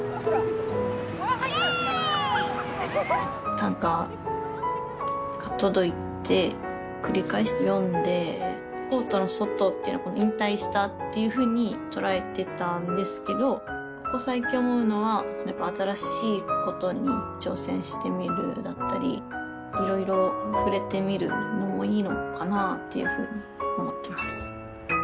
短歌が届いて繰り返して読んでコートの外っていうのは引退したっていうふうに捉えてたんですけどここ最近思うのはやっぱ新しいことに挑戦してみるだったりいろいろ触れてみるのもいいのかなあっていうふうに思ってます。